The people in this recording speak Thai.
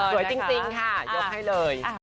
สวยจริงค่ะยกให้เลย